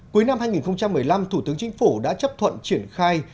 cuối năm hai nghìn một mươi năm thủ tướng chính phủ đã chấp thuận triển khai